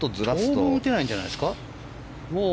当分打てないんじゃないですか？